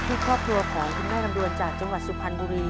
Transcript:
ครอบครัวของคุณแม่ลำดวนจากจังหวัดสุพรรณบุรี